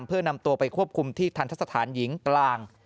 เพื่อนำตัวไปควบคุมที่ทันทะสถานหญิงกลาง